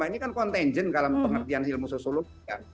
ini kan contingent dalam pengertian ilmu sosiologi kan